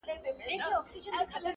زما دعا به درسره وي زرکلن سې-